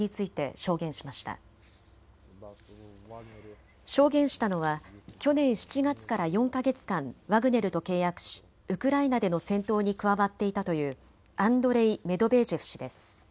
証言したのは去年７月から４か月間、ワグネルと契約しウクライナでの戦闘に加わっていたというアンドレイ・メドベージェフ氏です。